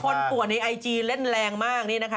โดนคนปวดในไอจีเล่นแรงมาก